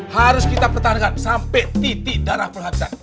harus kita pertahankan sampe titik darah perhatian